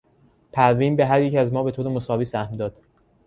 پروین به هر یک از ما به طور مساوی سهم داد.